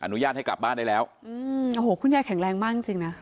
อุญาตให้กลับบ้านได้แล้วอืมโอ้โหคุณยายแข็งแรงมากจริงจริงนะ